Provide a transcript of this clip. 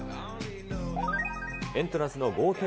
エントランスの格